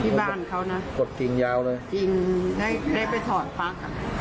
ที่บ้านเขานะกดกินยาวเลยกินได้ได้ไปถอดฟักก่อน